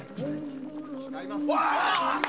「誓います」